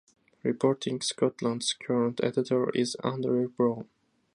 Reporting Scotland's current editor is Andrew Browne.